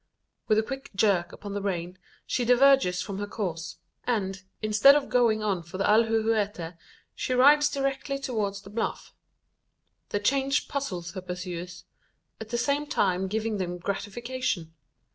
With a quick jerk upon the rein, she diverges from her course; and, instead of going on for the alhuehuete, she rides directly towards the bluff. The change puzzles her pursuers at the same time giving them gratification.